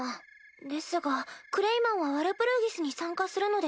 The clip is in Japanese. ですがクレイマンはワルプルギスに参加するのでは？